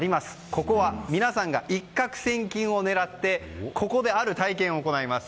ここでは皆さんが一獲千金を狙ってある体験を行います。